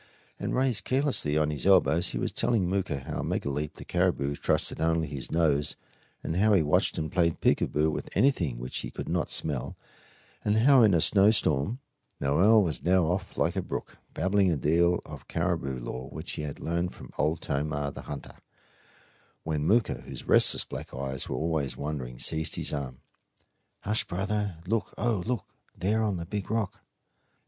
And raised carelessly on his elbows he was telling Mooka how Megaleep the caribou trusted only his nose, and how he watched and played peekaboo with anything which he could not smell, and how in a snowstorm Noel was off now like a brook, babbling a deal of caribou lore which he had learned from Old Tomah the hunter, when Mooka, whose restless black eyes were always wandering, seized his arm. "Hush, brother, and look, oh, look! there on the big rock!"